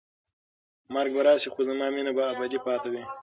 مرګ به راشي خو زما مینه به ابدي پاتې وي.